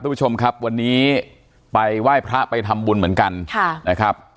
ผู้ชมครับวันนี้ไปไหว้พระไปทำบุญเหมือนกันค่ะนะครับ